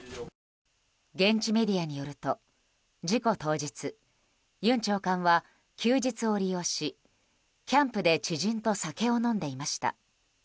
現地メディアによると事故当日、ユン長官は休日を利用し、キャンプで知人と酒を飲んでいました。